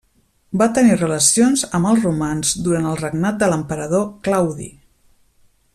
Va tenir relacions amb els romans durant el regnat de l'emperador Claudi.